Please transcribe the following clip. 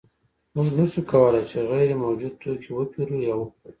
موږ نشو کولی چې غیر موجود توکی وپېرو یا وپلورو